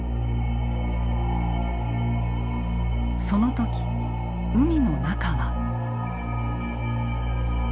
その時海の中は。